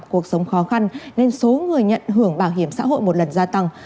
cuộc sống khó khăn nên số người nhận hưởng bảo hiểm xã hội một lần gia tăng